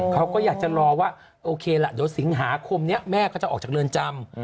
เขาก็อยากจะรอว่าโอเคละเดี๋ยวสิงหาคมนี้แม่ก็จะออกจากเรือนจำ